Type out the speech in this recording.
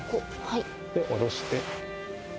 で下ろして。